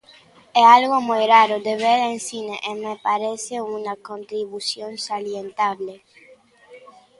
É algo moi raro de ver en cine e me parece unha contribución salientable.